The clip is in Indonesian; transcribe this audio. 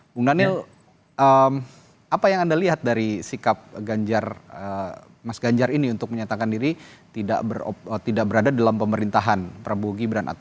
bung daniel apa yang anda lihat dari sikap mas ganjar ini untuk menyatakan diri tidak berada dalam pemerintahan prabowo gibran